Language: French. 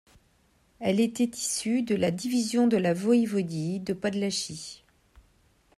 Elle était issue de la division de la voïvodie de Podlachie.